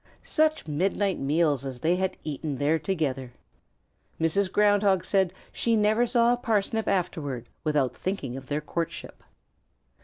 Such midnight meals as they had eaten there together! Mrs. Ground Hog said she never saw a parsnip afterward without thinking of their courtship.